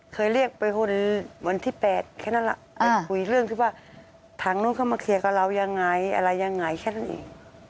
เคยเรียกไปคนวันที่๘แค่นั้นล่ะไปคุยเรื่องที่ว่าทางนู้นเข้ามาเคลียร์กับเรายังไงอะไรยังไงแค่นั้นเอง